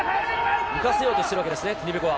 浮かせようとしているわけですね、ティニベコワは。